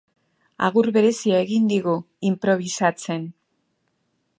Agur berezia egin digu inprobisatzen.